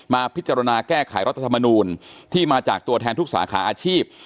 มาพิจารณาแก้ไขรัฐธรรมนูลที่มาจากตัวแทนทุกสาขาอาชีพ